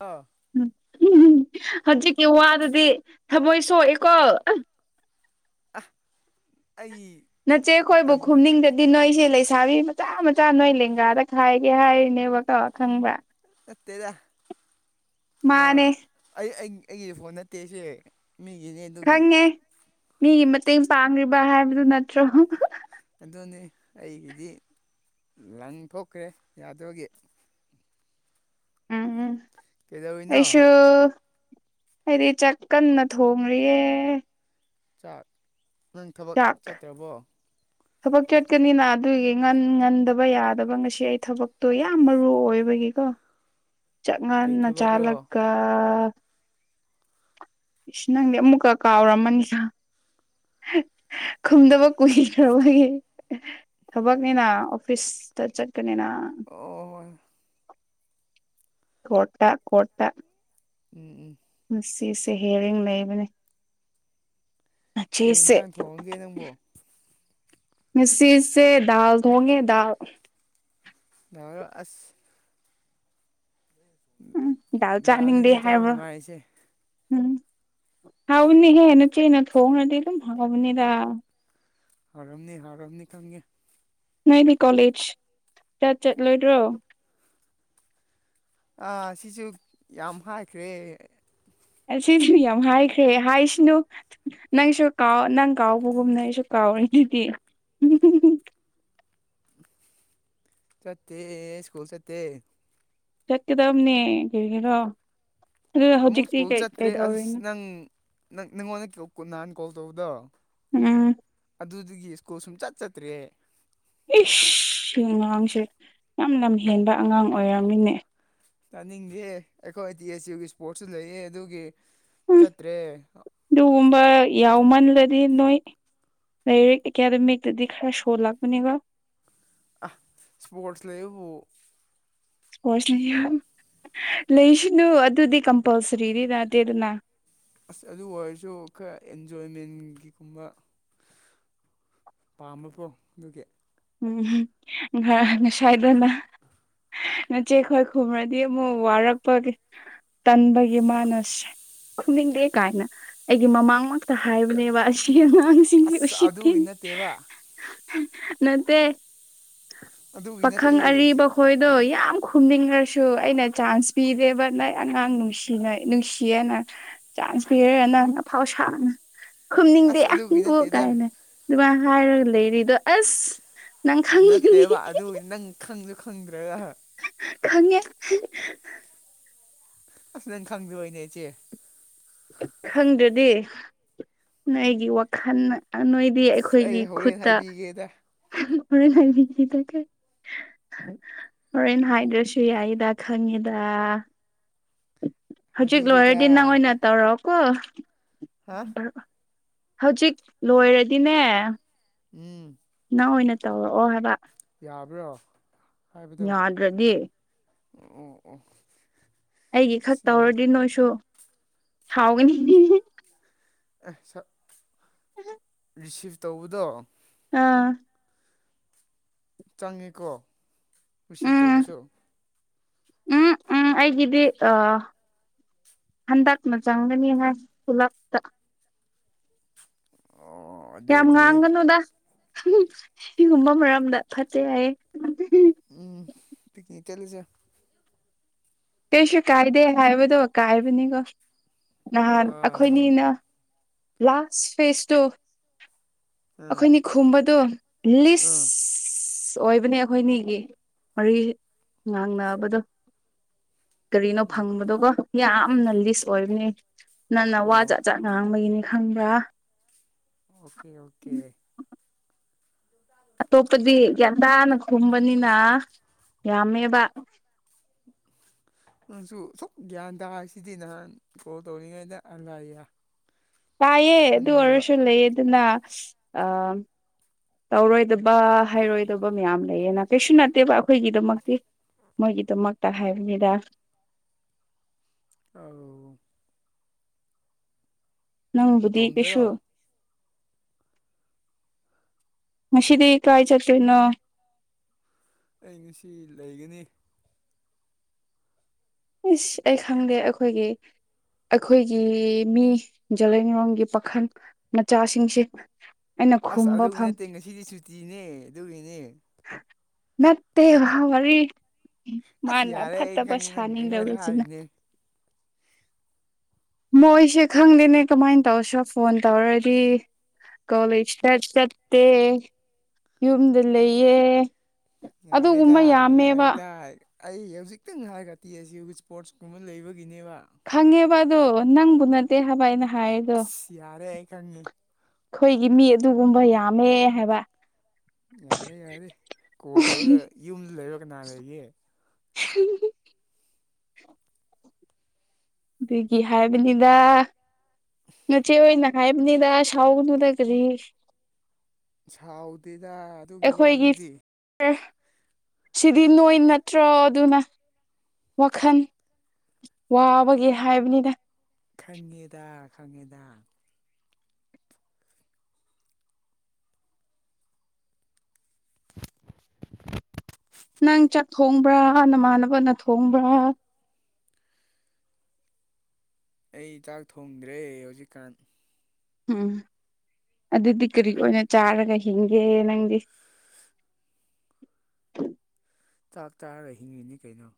ꯑꯥ ꯎꯝ ꯍꯧꯖꯤꯛꯀꯤ ꯋꯥꯗꯗꯤ ꯊꯃꯣꯏ ꯁꯣꯛꯏꯦꯀꯣ ꯑꯍ ꯑꯩ ꯅꯆꯦ ꯑꯩꯈꯣꯏꯕꯨ ꯇꯟ ꯈꯨꯝꯅꯤꯡꯗꯦ ꯍꯥꯏꯗꯤ ꯅꯣꯏꯁꯦ ꯂꯩꯁꯥꯕꯤ ꯃꯆꯥ ꯃꯆꯥ ꯅꯣꯏ ꯂꯦꯡꯒꯥꯗ ꯈꯥꯏꯒꯦ ꯍꯥꯏꯔꯤꯅꯦꯕꯀꯣ ꯈꯪꯕ꯭ꯔꯥ ꯅꯠꯇꯦꯗ ꯃꯥ ꯃꯥꯅꯦ ꯑꯩ ꯑꯩꯒꯤꯗꯤ ꯐꯣꯟ ꯅꯠꯇꯦꯁꯦ ꯃꯤꯒꯤꯅꯦ ꯑꯗꯨꯒꯤ ꯈꯪꯉꯦ ꯃꯤꯒꯤ ꯃꯇꯦꯡ ꯄꯥꯡꯈ꯭ꯔꯤꯕ ꯍꯥꯏꯕꯗꯨ ꯅꯠꯇ꯭ꯔꯣ ꯑꯗꯨꯅꯤ ꯑꯩꯒꯤꯗꯤ ꯂꯪ ꯊꯣꯛꯈ꯭ꯔꯦ ꯌꯥꯗꯣꯏꯒꯤ ꯎꯝ ꯀꯩꯗꯧꯔꯤꯅꯣ ꯑꯦꯁꯨꯣ ꯍꯥꯏꯗꯤ ꯆꯥꯛꯀꯟꯅ ꯊꯣꯡꯔꯤꯌꯦ ꯆꯥꯛ ꯅꯪ ꯊꯕꯛ ꯆꯥꯛ ꯆꯠꯇ꯭ꯔꯕꯣ [inaudible] ꯊꯕꯛ ꯆꯠꯀꯅꯤꯅ ꯑꯗꯨꯒꯤ ꯉꯟ ꯉꯟꯗꯕ ꯌꯥꯗꯕ ꯉꯁꯤ ꯑꯩ ꯊꯕꯛꯇꯣ ꯌꯥꯝ ꯃꯔꯨ ꯑꯣꯏꯕꯒꯤꯀꯣ ꯀꯩ ꯆꯉꯅ ꯊꯕꯛꯔꯣ ꯆꯥꯂꯒ ꯏꯁ ꯅꯪꯗꯤ ꯑꯃꯨꯛꯀ ꯀꯥꯎꯔꯝꯃꯅꯤ ꯁꯥ ꯈꯨꯝꯗꯕ ꯀꯨꯏꯈ꯭ꯔꯕꯒꯤ ꯊꯕꯛꯅꯤꯅ ꯑꯣꯐꯤꯁꯇ ꯆꯠꯀꯅꯤꯅ ꯑ ꯑꯋꯥꯣꯏ ꯀꯣꯠꯇ ꯀꯣꯠꯇ ꯎꯝ ꯎꯝ ꯉꯁꯤꯁꯦ ꯍꯦꯔꯤꯡ ꯂꯩꯕꯅꯦ ꯀꯩ ꯅꯆꯦꯁꯦ ꯌꯦꯟꯁꯥꯡ ꯊꯣꯡꯉꯒꯦ ꯅꯪꯕꯣ ꯃꯤꯁꯤꯁꯦ ꯗꯥꯜ ꯊꯣꯡꯉꯦ ꯗꯥꯜ ꯑꯁ ꯎꯝ ꯗꯥꯎ ꯆꯥꯅꯤꯡꯗꯦ ꯗꯥꯜꯅꯤꯅꯦ ꯆꯥꯕ ꯍꯥꯏꯕ꯭ꯔꯣ ꯅꯨꯡꯉꯥꯏꯔꯤꯁꯦ ꯎꯝ ꯍꯥꯎꯅꯤ ꯍꯦꯟꯅꯆꯦꯅ ꯊꯣꯡꯅꯗꯤ ꯑꯗꯨꯝ ꯍꯥꯎꯅꯤꯗ ꯍꯥꯔꯝꯅꯤ ꯍꯥꯔꯝꯅꯤ ꯈꯪꯉꯦ ꯅꯣꯏꯗꯤ ꯀꯣꯂꯦꯖ ꯀ ꯆꯠꯂꯣꯏꯗ꯭ꯔꯣ ꯑ ꯁꯤꯁꯨ ꯌꯥꯝ ꯍꯥꯏꯈ꯭ꯔꯦ ꯑꯁꯤꯁꯨ ꯌꯥꯝ ꯍꯥꯏꯈ꯭ꯔꯦ ꯍꯥꯏꯁꯅꯨ ꯅꯪꯁꯨ ꯀꯥꯎ ꯅꯪ ꯀꯥꯎꯕꯒꯨꯝꯅ ꯑꯩꯁꯨ ꯀꯥꯎꯔꯤ ꯑꯗꯨꯗꯤ ꯆꯠꯠꯇꯦ ꯁ꯭ꯀꯨꯜ ꯆꯠꯇꯦ ꯆꯠꯀꯗꯕꯅꯦ ꯀꯔꯣ ꯑꯃꯨꯛ ꯁ꯭ꯀꯨꯜ ꯆꯠꯇ꯭ꯔꯦ ꯑꯁ ꯀꯩꯗꯧꯔꯤꯅꯣ ꯅꯪꯪ ꯅꯪꯉꯣꯟꯗ ꯀꯨ ꯍꯥꯟꯅ ꯀꯣꯜ ꯇꯧꯕꯗꯣ ꯎꯝ ꯑꯗꯨꯗꯨꯒꯤ ꯁ꯭ꯀꯨꯜ ꯁꯨꯝ ꯆꯠ ꯆꯠꯇ꯭ꯔꯦ ꯏꯁ ꯑꯉꯥꯡꯁꯦ ꯌꯥꯝ ꯂꯝ ꯍꯦꯟꯕ ꯑꯉꯥꯡ ꯑꯣꯏꯔꯝꯃꯤꯅꯦ ꯆꯥꯅꯤꯡꯗꯦ ꯑꯩꯈꯣꯏ ꯇꯤ ꯑꯦꯆ ꯌꯨꯒꯤ ꯏꯁꯄꯣꯔꯠꯁꯨ ꯂꯩꯌꯦ ꯑꯗꯨꯒꯤ ꯆꯠꯇ꯭ꯔꯦ ꯑꯗꯨꯒꯒꯨꯝꯕ ꯌꯥꯎꯃꯟꯂꯗꯤ ꯅꯣꯏ ꯂꯥꯏꯔꯤꯛ ꯑꯦꯀꯥꯗꯃꯤꯛꯇꯗꯤ ꯈꯔ ꯁꯣꯜꯂꯛꯄꯅꯦꯕ ꯁꯄꯣꯔꯠꯁ ꯂꯕ ꯏꯁꯄꯣꯔꯠꯁꯅꯤ ꯂꯩꯁꯅꯨ ꯑꯗꯨꯗꯤ ꯀꯝꯄꯜꯁꯔꯤꯗꯤ ꯇꯗꯦꯗꯅ ꯑꯁ ꯑꯗꯨ ꯑꯣꯏꯔꯁꯨ ꯈꯔ ꯑꯦꯟꯖꯣꯏꯃꯦꯟꯒꯤꯒꯨꯝꯕ ꯄꯥꯝꯕꯕ꯭ꯔꯣ ꯑꯗꯨꯒꯤ ꯎꯝꯁꯗꯅ ꯅꯆꯦ ꯑꯩꯈꯣꯏ ꯈꯨꯃꯔꯗꯤ ꯑꯃꯨꯛ ꯋꯥꯔꯛꯄꯒꯤ ꯇꯟꯕꯒꯤ ꯃꯥꯟꯅꯁ꯭ꯔꯦ ꯈꯨꯝꯅꯤꯡꯗꯦ ꯀꯥꯏꯅ ꯑꯩꯒꯤ ꯃꯃꯥꯡꯃꯛꯇ ꯍꯥꯏꯕꯅꯦꯕ ꯑꯁꯤꯅ ꯍꯥꯡꯁꯤꯡꯁ ꯑꯁ ꯎꯁꯤ ꯑꯗꯨꯒꯤ ꯊꯦꯡ ꯅꯠꯇꯦꯕ ꯅꯠꯇꯦ ꯑꯗꯨꯒꯤ ꯅꯠꯇꯦ ꯄꯥꯈꯪ ꯁꯤ ꯑꯔꯤꯕ ꯍꯣꯏꯗꯣ ꯌꯥꯝ ꯈꯨꯝꯅꯤꯡꯉꯁꯨ ꯑꯩꯅ ꯆꯥꯟꯁ ꯄꯤꯗꯦꯕ ꯅꯣꯏ ꯑꯉꯥꯡ ꯅꯨꯡꯁꯤ ꯅꯨꯡ ꯁꯤꯅ ꯅꯨꯡꯁꯤꯌꯦꯦꯅ ꯆꯥꯟꯁ ꯄꯤꯔꯦ ꯅꯪꯅ ꯐꯥꯎ ꯁꯥꯥꯡꯅ ꯈꯨꯝꯅꯤꯡꯗꯦ ꯑꯁ ꯑꯗꯨꯒꯤ ꯑꯪꯕꯣꯛ ꯅꯠꯇꯦꯗ ꯀꯥꯏꯅ ꯑꯗꯨꯃꯥꯏꯅ ꯍꯥꯏꯔꯒ ꯂꯩꯔꯤꯗꯣ ꯑꯁ ꯅꯪ ꯈꯥꯡꯅꯤ ꯅꯠꯇꯦꯕ ꯑꯗꯨ ꯅꯪ ꯈꯪꯁꯨ ꯈꯪꯗ꯭ꯔꯒꯍ ꯈꯪꯉꯦ ꯑꯁ ꯅꯪ ꯈꯪꯗꯦꯣꯏꯅꯦ ꯏꯆꯦ ꯈꯪꯗ꯭ꯔꯗꯤ ꯅꯣꯏꯒꯤ ꯋꯥꯈꯜ ꯅꯣꯏ ꯗꯤ ꯑꯁ ꯑꯩꯈꯣꯏꯒꯤ ꯑꯩ ꯍꯣꯔꯦꯟ ꯈꯨꯠꯇ ꯍꯥꯏꯕꯤꯒꯦꯗ ꯃꯣꯔ ꯂꯥꯏꯕꯤꯗ ꯍꯣꯔꯦꯟꯦꯟ ꯍꯥꯏꯗ꯭ꯔꯁꯨ ꯌꯥꯏꯗ ꯈꯪꯉꯤꯗ ꯍꯧꯖꯤꯛ ꯍꯥꯏꯕꯤꯒꯦꯗ ꯂꯣꯏꯔꯗꯤ ꯅꯪ ꯑꯣꯏꯅ ꯍꯥ ꯇꯧꯔꯛꯣꯑꯣꯀꯣꯑꯣ ꯍꯧꯖꯤꯛ ꯂꯣꯏꯔꯗꯤꯅꯦ ꯎꯝ ꯅꯪ ꯑꯣꯏꯅ ꯇꯧꯔꯛꯑꯣ ꯍꯥꯏꯕ ꯌꯥꯕ꯭ꯔꯣ ꯍꯥꯏꯕꯗꯣ ꯌꯥꯗ꯭ꯔꯗꯤ ꯑꯣ ꯑꯣ ꯑꯣ ꯑꯩꯒꯤ ꯈꯛ ꯁꯤꯅ ꯇꯧꯔꯗꯤ ꯅꯣꯏꯁꯨ ꯍꯥꯎꯒꯅꯤ ꯑ ꯑꯗꯨ ꯔꯤꯁꯤꯞ ꯇꯧꯕꯗꯣ ꯑꯥ ꯆꯪꯉꯤꯀꯣ ꯔꯤꯁꯤꯞ ꯎꯝ ꯇꯧꯕꯁꯨ ꯎꯝ ꯎꯝ ꯑꯩꯒꯤꯗꯤ ꯑ ꯍꯟꯗꯛꯅ ꯆꯪꯒꯅꯤ ꯍꯥꯏ ꯄꯨꯂꯞ ꯑꯣ ꯌꯥꯝ ꯑꯗꯨꯗꯤ ꯉꯥꯡꯒꯅꯨꯗ ꯁꯤꯒꯨꯝꯕ ꯃꯔꯝꯗ ꯐꯠꯇꯦ ꯍꯥꯏꯌꯦꯦ ꯎꯝ ꯄꯤꯛꯅꯤꯛ ꯇ ꯂꯩꯖꯦ ꯀꯩꯁꯨ ꯀꯥꯏꯗꯦ ꯍꯥꯏꯕꯗꯣ ꯀꯥꯏꯕꯅꯤꯀꯣ ꯅꯍꯥꯟ ꯑꯥ ꯑꯩꯈꯣꯏꯅꯤꯅ ꯂꯥꯁ ꯐꯦꯁꯇꯣ ꯑꯥ ꯑꯩꯈꯣꯏꯅꯤ ꯈꯨꯝꯕꯗꯣ ꯑꯥ ꯂꯤꯁ ꯑꯣꯏꯕꯅꯦ ꯑꯩꯈꯣꯏꯅꯤꯒꯤ ꯃꯔꯤ ꯉꯥꯡꯅꯕꯗꯣ ꯀꯔꯤꯅꯣ ꯎꯝ ꯐꯪꯕꯗꯒꯣ ꯌꯥꯝꯅ ꯂꯤꯁ ꯑꯣꯏꯕꯅꯤ ꯅꯪꯟꯅ ꯋꯥ ꯑꯣ ꯑꯣ ꯖꯥꯠ ꯖꯥꯠ ꯉꯥꯡꯕꯒꯤꯅꯤ ꯈꯪꯕ꯭ꯔꯥ ꯑꯣꯀꯦ ꯑꯣꯀꯦ ꯆ ꯑꯇꯣꯞꯄꯗꯤ ꯒ꯭ꯌꯥꯟꯊꯥꯅ ꯈꯨꯝꯕꯅꯤꯅ ꯌꯥꯝꯃꯦꯕ [inaudible] ꯅꯪꯁꯨ ꯁꯨꯝ ꯒ꯭ꯌꯥꯟ ꯇꯥꯁꯤꯗꯤ ꯅꯍꯥꯟ ꯀꯣꯜ ꯇꯧꯔꯤꯉꯩꯗ ꯑꯂꯥꯏꯌꯦ ꯇꯥꯏꯌꯦ ꯑꯗꯨ ꯑꯣꯏꯔꯁꯨ ꯂꯩ ꯑꯗꯨꯅ ꯑ ꯇꯧꯔꯣꯏꯗꯕ ꯍꯥꯏꯔꯣꯏꯗꯕ ꯃꯌꯥꯝ ꯂꯩꯌꯦꯅ ꯀꯩꯁꯨ ꯅꯠꯇꯦꯕ ꯑꯩꯈꯣꯏꯒꯤꯗꯃꯛꯇꯤ ꯃꯣꯏꯒꯤꯗꯃꯛꯇ ꯍꯥꯏꯕꯅꯤꯗ ꯑ ꯅꯪꯕꯨꯗꯤ ꯀꯩꯁꯨ ꯅꯇꯣꯝꯇꯔꯣ ꯃꯁꯤꯗꯤ ꯀ ꯍꯥꯏ ꯆꯠꯇꯅꯣ ꯑꯩ ꯉꯁꯤ ꯂꯩꯒꯅꯤ ꯏꯁ ꯑꯩ ꯈꯪꯗꯦ ꯑꯩꯈꯣꯏꯒꯤ ꯑꯩꯈꯣꯏꯒꯤ ꯃꯤ ꯖꯂꯂꯣꯡꯒꯤ ꯄꯥꯈꯜ ꯃꯆꯥꯁꯤꯡꯁꯦ ꯑꯩꯅ ꯑꯁ ꯈꯨꯝꯕ ꯑꯗꯨꯒꯤ ꯐꯪ ꯅꯠꯇꯦ ꯉꯁꯤꯗꯤ ꯁꯨꯇꯤꯅꯦ ꯑꯗꯨꯒꯤꯅꯦ ꯃꯠꯇꯦ ꯋꯥꯔꯤ ꯑꯁ ꯃꯥꯅ ꯌꯥꯔꯦ ꯑꯩ ꯐꯠꯇꯕ ꯈꯪꯉꯤ ꯅꯪ ꯑꯩꯉꯣꯟꯗ ꯁꯥꯅꯤꯡꯗꯔꯤꯨꯁꯤꯅ ꯍꯥꯏꯔꯤꯅꯦ ꯃꯣꯏꯁꯦ ꯈꯪꯗꯦꯅꯦ ꯀꯃꯥꯏꯅ ꯇꯧꯁꯨ ꯐꯣꯟ ꯇꯧꯔꯗꯤ ꯀꯣꯂꯦꯖ ꯆ ꯆꯠꯇꯦ ꯌꯨꯝꯗ ꯂꯩꯌꯦ ꯌꯥꯔꯦꯗꯥ ꯑꯗꯨꯒꯨꯝꯕ ꯌꯥꯝꯃꯦꯕ ꯌꯥꯔꯦꯗꯥꯏ ꯑꯩ ꯍꯧꯖꯤꯛꯇꯪ ꯍꯥꯏꯔꯒꯗꯤꯤ ꯑꯁꯤ ꯋ ꯏꯁꯄꯣꯔꯠꯁ ꯀꯨꯝꯕ ꯂꯩꯕꯒꯤꯅꯦꯕ ꯈꯪꯉꯦꯕ ꯑꯗꯣ ꯅꯪꯕꯨ ꯅꯠꯇꯦ ꯍꯥꯏꯕꯅ ꯑꯁ ꯌꯥꯔꯦ ꯈꯅꯤ ꯑꯩꯈꯣꯏꯒꯤ ꯃꯤ ꯑꯗꯨꯒꯨꯝꯕ ꯌꯥꯝꯃꯦ ꯍꯥꯏꯕ ꯌꯥꯔꯦ ꯌꯥꯔꯦ ꯀꯣꯜ ꯇꯧꯔꯒ ꯌꯨꯝꯗ ꯂꯩꯕ ꯀꯅꯥ ꯂꯩꯒꯦ [unintelligible] ꯑꯗꯨꯒꯤ ꯍꯥꯏꯕꯅꯤꯗ ꯅꯥꯆꯦ ꯍꯣꯏꯅ ꯈꯥꯏꯕꯅꯤꯗ ꯁꯥꯎꯒꯅꯨꯗ ꯀꯔꯤ ꯁꯥꯎꯗꯦꯗ ꯑꯗꯨꯒꯤ ꯋꯥꯗꯨꯗꯤ ꯑꯦ ꯁꯤꯗꯤ ꯅꯣꯏ ꯅꯠꯇ꯭ꯔꯣ ꯑꯗꯨꯅ ꯋꯥꯈꯜ ꯋꯥꯕꯒꯦ ꯍꯥꯏꯕꯅꯤꯅ ꯈꯪꯉꯦꯗ ꯈꯪꯉꯦꯗ [inaudible] ꯅꯪ ꯆꯠ ꯊꯣꯡꯕ꯭ꯔꯥ ꯅꯃꯥꯟꯅꯕꯅ ꯊꯣꯡꯕ꯭ꯔꯥ ꯑꯩ ꯆꯥꯛ ꯊꯣꯡꯗ꯭ꯔꯦ ꯍꯧꯖꯤꯛꯀꯥꯟ ꯎꯝ ꯑꯗꯨꯗꯤ ꯀꯔꯤ ꯍꯥ ꯑꯣꯏꯅ ꯆꯥꯔꯒ ꯍꯤꯡꯒꯦ ꯅꯪꯗꯤ ꯆꯥꯛ ꯆꯥꯔ ꯍꯤꯡꯉꯤꯅꯤ ꯀꯩꯅꯣ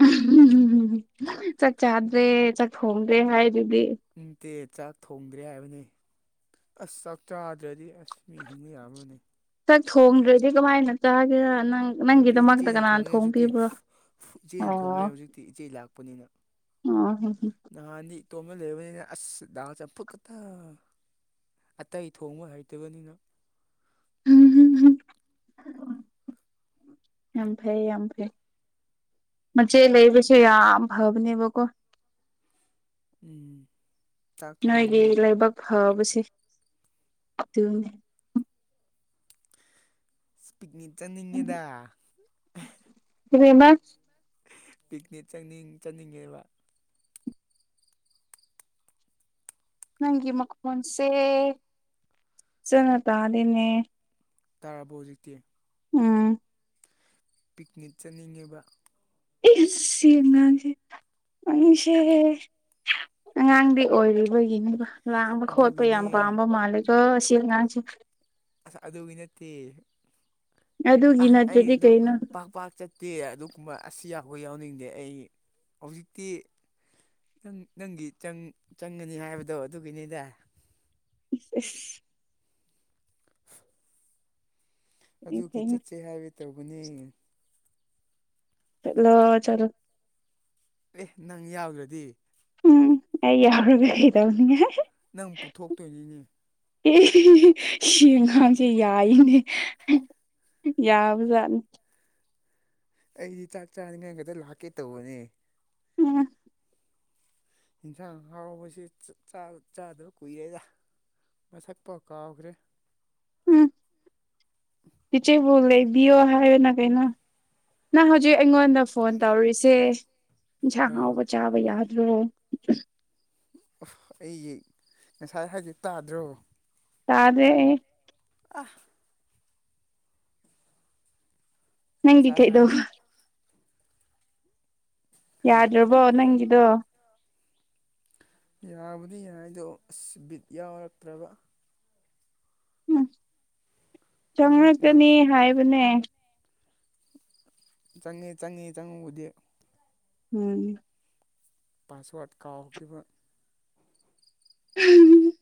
[unintelligible] ꯆꯥꯛ ꯆꯥꯗ꯭ꯔꯦ ꯆꯥꯛ ꯊꯣꯡꯗ꯭ꯔꯦ ꯍꯥꯏꯗꯨꯗꯤ ꯅꯨꯡꯇꯦ ꯆꯥꯛ ꯊꯣꯡꯗ꯭ꯔꯦ ꯍꯥꯏꯕꯅꯤ ꯑꯁ ꯆꯥꯛ ꯆꯥꯗ꯭ꯔꯗꯤ ꯑꯁ ꯃꯤ ꯍꯤꯡꯅ ꯌꯥꯕꯔꯥꯅꯦ ꯆꯥꯛ ꯊꯣꯡꯗ꯭ꯔꯗꯤ ꯀꯃꯥꯏꯅ ꯆꯥꯒꯦꯔ ꯅꯪ ꯅꯠꯇꯦ ꯅꯪꯒꯤꯗꯃꯛꯇ ꯏꯆꯦꯅ ꯀꯅꯥꯅ ꯊꯣꯡꯉꯦ ꯍꯧꯖꯤꯛꯇꯤ ꯊꯣꯡꯕꯤꯕ꯭ꯔꯣ [unintelligible] ꯏꯆꯦꯅ ꯑꯣ ꯊꯣꯡꯉꯦ ꯍꯧꯖꯤꯛꯇꯤ ꯏꯆꯦ ꯂꯥꯛꯄꯅꯤꯅ ꯑꯣ ꯍꯥ ꯍꯥ ꯅꯍꯥꯟꯗꯤ ꯏꯇꯣꯝꯅ ꯂꯩꯔꯕꯅꯤꯅ ꯑꯁ ꯗꯥꯜ ꯆꯝꯐꯨꯠ ꯈꯛꯇ ꯑꯇꯩ ꯊꯣꯡꯕ ꯍꯩꯇꯕꯅꯤꯅ [unintelligible] ꯌꯥꯝ ꯐꯩ ꯌꯥꯝ ꯐꯩ ꯃꯆꯦ ꯂꯩꯕꯁꯦ ꯌꯥꯝ ꯐꯕꯅꯦꯕꯀꯣ ꯎꯝ ꯆꯥꯛ ꯅꯣꯏꯒꯤ ꯊꯣꯡꯅꯤꯡꯉꯥꯏ ꯂꯥꯏꯕꯛ ꯐꯕꯁꯤ ꯑꯗꯨꯨꯅꯤ ꯄꯤꯛꯅꯤꯛ ꯆꯠꯅꯤꯡꯉꯦꯗ ꯀꯔꯤꯃꯥ ꯄꯤꯛꯅꯤꯛ ꯆꯠꯅꯤꯡ ꯆꯠꯅꯤꯡꯉꯦꯕ ꯅꯪꯒꯤ ꯃꯈꯣꯟꯁꯦ ꯐꯖꯥꯅ ꯇꯥꯗꯦꯅꯦ ꯇꯥꯔꯕꯣ ꯍꯧꯖꯤꯛꯇꯤ ꯎꯝ ꯄꯤꯛꯅꯤꯛ ꯆꯠꯅꯤꯡꯉꯦꯕ ꯏꯁ ꯁꯤ ꯑꯉꯥꯡꯁꯦ ꯑꯅꯤꯁꯦ ꯑꯉꯥꯡꯗꯤ ꯑꯣꯏꯔꯤꯕꯒꯤꯅꯦꯕꯥ ꯂꯥꯡꯕ ꯈꯣꯠꯄ ꯑꯗꯨꯒꯤꯅꯦ ꯌꯥꯝ ꯄꯥꯝꯕ ꯃꯥꯂꯒ ꯑꯁꯤ ꯑꯉꯥꯡꯁꯦ ꯑꯁ ꯑꯗꯨꯒꯤ ꯅꯠꯇꯦ ꯑꯗꯨꯒꯤ ꯑꯥ ꯑꯩ ꯅꯠꯇ꯭ꯔꯗꯤ ꯑꯗꯨ ꯀꯩꯅꯣ ꯄꯥꯛ ꯄꯥꯛ ꯆꯠ ꯇꯦ ꯑꯗꯨꯒꯨꯝꯕ ꯑꯁꯤ ꯑꯈꯣꯏ ꯌꯥꯎꯅꯤꯡꯗꯦ ꯑꯩ ꯍꯧꯖꯤꯛꯇꯤ ꯅꯪ ꯅꯪꯒꯤ ꯆꯪ ꯆꯪꯒꯅꯤ ꯍꯥꯏꯕꯗꯣ ꯑꯗꯨꯒꯤꯅꯤꯗ ꯏꯁ ꯏꯁ ꯏꯁ ꯑꯗꯨꯒꯤ ꯀꯩꯅꯣ ꯆꯠꯁꯦ ꯍꯥꯏꯒꯦ ꯇꯧꯕꯅꯦ ꯆꯠꯂꯣ ꯆꯠꯂꯣ ꯑꯦꯍ ꯅꯪ ꯌꯥꯎꯗ꯭ꯔꯗꯤ ꯎꯝ ꯑꯩ ꯌꯥꯎꯔꯒ ꯀꯩ ꯇꯧꯅꯤꯡꯉꯥꯏ ꯅꯪ ꯄꯨꯊꯣꯛꯇꯣꯏꯅꯤꯅꯦ ꯑꯦ ꯑꯦ ꯑꯦ ꯁꯤꯉꯥꯡꯁꯦ ꯌꯥꯏꯅꯦ ꯌꯥꯕꯖꯠꯅꯤ ꯑꯩꯗꯤ ꯆꯥꯛ ꯆꯥꯅꯤꯡꯉꯥꯏ ꯈꯛꯇ ꯂꯥꯛꯀꯦ ꯇꯧꯕꯅꯦ ꯎꯝ ꯌꯦꯟꯁꯥꯡ ꯑꯍꯥꯎꯕꯁꯤ ꯆꯥꯗꯕ ꯀꯨꯏꯔꯦꯗ ꯃꯁꯛꯄꯥꯎ ꯀꯥꯎꯈ꯭ꯔꯦ ꯎꯝ ꯏꯤꯆꯦꯕꯨ ꯂꯩꯕꯤꯌꯣ ꯍꯥꯏꯌꯢꯅ ꯀꯩꯅꯣ ꯅꯪ ꯍꯧꯖꯤꯛ ꯑꯩꯉꯣꯟꯗ ꯐꯣꯟ ꯇꯧꯔꯤꯁꯦ ꯌꯦꯟꯁꯥꯡ ꯑꯥ ꯑꯍꯥꯎꯕ ꯆꯥꯕ ꯌꯥꯗ꯭ꯔꯣ ꯑꯩ ꯉꯁꯥꯏ ꯍꯥꯏꯁꯦ ꯇꯥꯗ꯭ꯔꯣ ꯇꯥꯔꯦ ꯑꯥ ꯅꯪꯗꯤ ꯉꯁꯥꯏ ꯍꯥꯏꯔꯦ ꯀꯩꯗꯧꯕꯥ ꯑꯥ ꯌꯥꯗ꯭ꯔꯕꯣ ꯅꯪꯒꯤꯗꯣ ꯌꯥꯕꯨꯗꯤ ꯌꯥꯏꯗꯣ ꯑꯁ ꯕꯤꯠ ꯌꯥꯎꯔꯛꯇ꯭ꯔꯕ ꯅꯪ ꯅꯪ ꯆꯪꯉꯛꯀꯅꯤ ꯍꯥꯏꯕꯅꯦ ꯆꯪꯉꯦ ꯆꯪꯉꯦ ꯆꯪꯉꯕꯨꯗꯤ ꯎꯝ ꯄꯥꯁꯋꯥꯔ꯭ꯗ ꯀꯥꯎꯈꯤꯕ [unintelligible]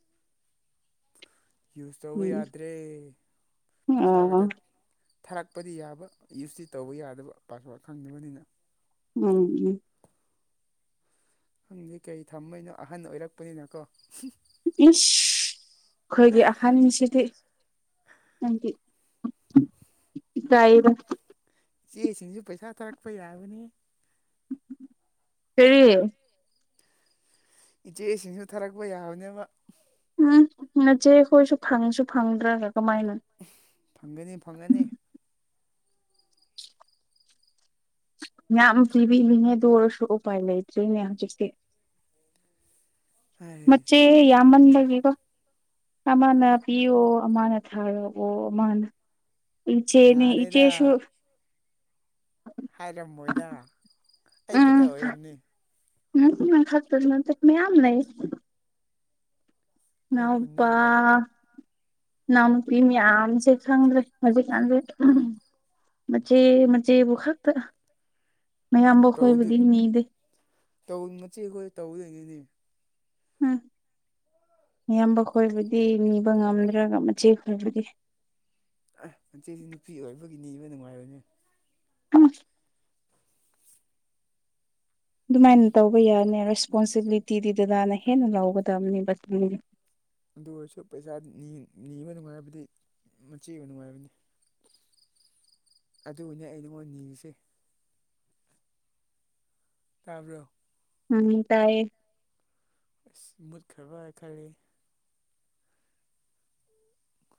ꯌꯨꯁ ꯇꯧꯕ ꯎꯝ ꯌꯥꯗ꯭ꯔꯦ ꯄꯩꯁꯥ ꯈꯛꯇ ꯑꯣ ꯊꯥꯔꯛꯄꯗꯤ ꯌꯥꯕ ꯌꯨꯁꯇꯤ ꯇꯧꯕ ꯌꯥꯗꯕ ꯄꯥꯁꯋꯥꯔ꯭ꯗ ꯈꯪꯗꯕꯅꯤꯅ ꯎꯝ [unintelligible] ꯍꯪꯗꯦ ꯀꯩ ꯊꯝꯕꯩꯅꯣ ꯑꯍꯥꯟ ꯑꯣꯏꯔꯛꯄꯅꯤꯅ ꯀꯣ ꯏꯁ ꯑꯩꯈꯣꯏꯒꯤ ꯑꯍꯟꯁꯤꯗꯤ ꯅꯪꯗꯤ ꯢꯀꯥꯢꯔꯣꯢ ꯏꯆꯦ ꯁꯤꯡꯁꯨ ꯄꯩꯁꯥ ꯊꯥꯔꯛꯄ ꯌꯥꯕꯅꯤ ꯀꯥꯔꯤ ꯏꯆꯦ ꯏꯁꯤꯡꯁꯨ ꯊꯥꯔꯛꯄ ꯌꯥꯕꯅꯦꯕ ꯎꯝ ꯅꯆꯦ ꯑꯩꯈꯣꯏꯁꯨ ꯐꯪꯁꯨ ꯐꯪꯗ꯭ꯔꯒ ꯀꯃꯥꯏꯅ ꯐꯪꯒꯅꯤ ꯐꯪꯒꯅꯤ ꯌꯥꯝ ꯄꯤꯅꯤꯂꯤꯅꯦ ꯑꯗꯨ ꯑꯣꯏꯔꯁꯨ ꯎꯄꯥꯏ ꯂꯩꯇ꯭ꯔꯤꯅꯦ ꯍꯧꯖꯤꯛꯇꯤ ꯍꯩ ꯃꯆꯦ ꯌꯥꯝꯃꯟ ꯕꯒꯤꯀꯣ ꯑꯃꯅ ꯄꯤꯌꯣ ꯑꯃꯅ ꯊꯥꯔꯛꯑꯣ ꯑꯃꯅ ꯏꯆꯦꯅꯤ ꯌꯥꯔꯦꯗ ꯏꯆꯦꯁꯨ ꯍꯥꯏꯔꯝꯃꯣꯏꯗ ꯑꯩ ꯈꯥꯠꯇ ꯑꯣꯏꯔꯝꯅꯤ ꯅ ꯈꯥꯛꯇ ꯅꯠꯇꯦ ꯃꯌꯥꯝ ꯂꯩ ꯅꯣꯏ ꯢꯅꯥꯎꯄꯥ ꯈꯨꯟꯗꯩꯔꯣ ꯢꯅꯥꯎꯄꯤ ꯃꯌꯥꯝꯁꯦ ꯈꯪꯗ꯭ꯔꯦ ꯍꯧꯖꯤꯛꯀꯥꯟꯁꯦ ꯃꯁꯦ ꯃꯁꯦꯕꯨ ꯈꯥꯛꯇ ꯇꯧꯗꯨ ꯃꯌꯥꯝꯕꯈꯣꯏꯕꯨꯗꯤ ꯅꯤꯗꯦ ꯇꯧ ꯃꯆꯦ ꯈꯣꯏ ꯇꯧꯗꯣꯏꯅꯤꯍꯦ ꯎꯝ ꯃꯤꯌꯥꯝꯕ ꯈꯣꯏꯕꯨꯗꯤ ꯅꯤꯕ ꯉꯝꯗ꯭ꯔꯒ ꯃꯆꯦ ꯈꯣꯏꯕꯨꯗꯤ ꯑꯦ ꯃꯆꯦꯗꯤ ꯅꯨꯄꯤ ꯑꯣꯏꯕꯒꯤ ꯅꯤꯕ ꯅꯨꯡꯉꯥꯏꯕꯅꯦ ꯅꯃ [inaudible] ꯑꯗꯨꯃꯥꯏꯅ ꯇꯧꯕ ꯌꯥꯅꯤ ꯔꯦꯁꯄꯣꯟꯁꯤꯕꯤꯂꯤꯇꯤꯗꯤ ꯗꯥꯗꯥꯅ ꯍꯦꯟꯅ ꯂꯧꯒꯗꯕꯅꯦꯕ ꯑꯗꯨ ꯑꯣꯏꯔꯁꯨ ꯄꯩꯁꯥ ꯅꯤꯕ ꯅꯨꯡꯉꯥꯏꯕꯗꯤ ꯃꯆꯦꯅ ꯅꯨꯡꯉꯥꯏꯕꯅꯦ ꯑꯗꯨꯒꯤꯅꯦ ꯑꯩ ꯅꯉꯣꯟꯗ ꯅꯤꯔꯤꯁꯦ ꯇꯥꯕꯔꯣ ꯎꯝ ꯇꯥꯏꯌꯦ ꯑꯁ ꯃꯨꯠꯈ꯭ꯔꯕ ꯈꯜꯂꯤ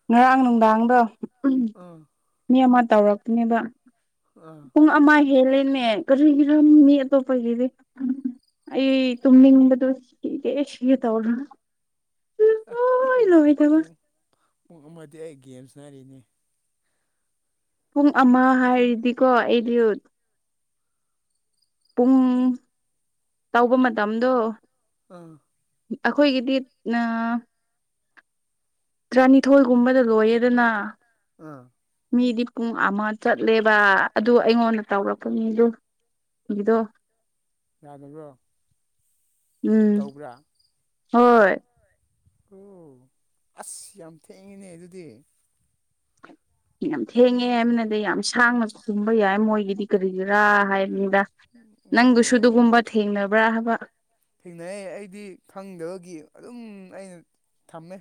ꯉꯔꯥꯡ ꯅꯨꯡꯗꯥꯡꯗꯣ ꯑꯥ ꯃꯤ ꯑꯃ ꯇꯧꯔꯛꯄꯅꯦꯕ ꯑꯥ ꯄꯨꯡ ꯑꯃ ꯍꯦꯜꯂꯦꯅꯦ ꯀꯔꯤꯒꯤꯔꯅꯦ ꯃꯤ ꯑꯇꯣꯞꯄꯒꯤꯗꯤ ꯑꯩ ꯇꯨꯝꯅꯤꯡꯕꯗꯣ ꯁꯤꯒꯦ ꯁꯤꯒꯦ ꯇꯧꯗꯥꯅ ꯑꯥ ꯄꯨꯡ ꯄꯨꯡ ꯄꯨꯡ ꯑꯃꯗꯤ ꯑꯩ ꯒꯦꯝ ꯁꯥꯅꯔꯤꯅꯦ ꯄꯨꯡ ꯑꯃ ꯍꯥꯏꯔꯗꯤꯀꯣ ꯑꯩ ꯂꯤꯌꯨꯠ ꯄꯨꯡ ꯇꯧꯕ ꯃꯇꯝꯗꯣ ꯑꯥ ꯑꯩꯈꯣꯏꯒꯤꯗꯤ ꯑꯥ ꯇ꯭ꯔꯥꯅꯤꯊꯣꯏ ꯒꯨꯝꯕꯗ ꯂꯣꯏꯌꯦꯗꯅ ꯑꯥ ꯃꯤꯗꯤ ꯄꯨꯡ ꯑꯃ ꯆꯠꯂꯦꯕ ꯑꯗꯨ ꯑꯩꯉꯣꯟꯗ ꯇꯧꯔꯛꯄ ꯃꯤꯗꯨ ꯏꯗꯣ ꯌꯥꯗꯕ꯭ꯔꯣ ꯎꯝ ꯇꯧꯕ꯭ꯔꯥ ꯍꯣꯏ ꯍꯣꯢ ꯑꯣ ꯑꯁ ꯌꯥꯝ ꯊꯦꯡꯉꯤꯅꯦ ꯑꯗꯨꯗꯤ ꯌꯥꯝ ꯊꯦꯡꯉꯦ ꯍꯥꯢꯕ ꯅꯠꯇꯦ ꯌꯥꯝ ꯁꯥꯡꯅ ꯈꯨꯝꯕ ꯌꯥꯏ ꯃꯣꯏꯒꯤꯗꯤ ꯀꯔꯤꯒꯤꯔꯥ ꯍꯥꯏꯕꯅꯤꯗ ꯑꯣ ꯅꯪꯗꯨꯁꯨ ꯑꯣ ꯑꯗꯨꯒꯨꯝꯕ ꯊꯦꯡꯅꯕ꯭ꯔꯥ ꯍꯥꯏꯕ ꯊꯦꯡꯅꯩꯌꯦ ꯑꯩꯗꯤ ꯈꯪꯗꯕꯒꯤ ꯑꯗꯨꯝ ꯑꯩꯅ ꯊꯝꯃꯦ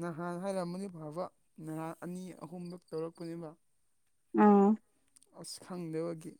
ꯅꯍꯥꯟ ꯍꯥꯏꯔꯛꯃꯗꯤ ꯐꯥꯕ ꯅꯍꯥꯟ ꯑꯅꯤ ꯑꯍꯨꯝꯂꯛ ꯇꯧꯔꯛꯄꯅꯦꯕ ꯑꯥ ꯑꯁ ꯈꯪꯗꯕꯒꯤ